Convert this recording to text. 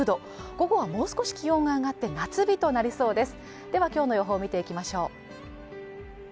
午後はもう少し気温が上がって夏日となりそうです